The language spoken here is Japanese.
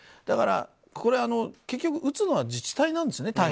だから結局、打つのは自治体なんですよね。